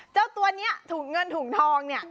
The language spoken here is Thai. เจ้าตัวนี้ถุงเงินถุงทองเนี่ย